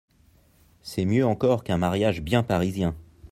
C'est mieux encore qu'un mariage bien parisien.